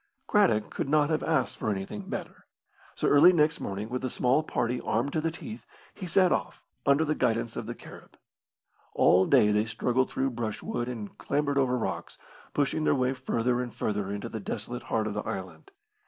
Craddock could not have asked for anything better; so early next morning, with a small party armed to the teeth, he set off, under the guidance of the Carib. All day they struggled through brushwood and clambered over rocks, pushing their way further and further into the desolate heart of the island.